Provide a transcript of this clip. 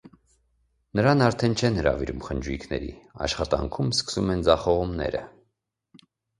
Նրան արդեն չեն հրավիրում խնջույքների, աշխատանքում սկսում են ձախողումները։